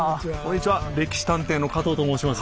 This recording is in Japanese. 「歴史探偵」の加藤と申します。